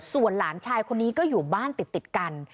ส่วนหลานชายคนนี้ก็อยู่บ้านติดกัน